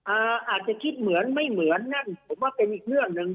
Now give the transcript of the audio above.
อาจจะคิดเหมือนไม่เหมือนนั่นผมว่าเป็นอีกเรื่องหนึ่ง